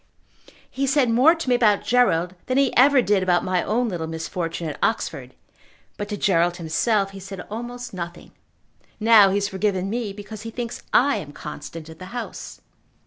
He said more to me about Gerald than he ever did about my own little misfortune at Oxford; but to Gerald himself he said almost nothing. Now he has forgiven me because he thinks I am constant at the House."